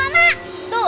tuh dengerin tuh ya